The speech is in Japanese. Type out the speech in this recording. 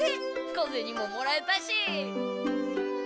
小ゼニももらえたし。